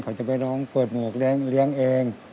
เขาจะไปร้องเปิดหมวกเลี้ยงเอง